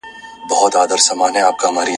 په مجلس کي کوم ګوندونه دي؟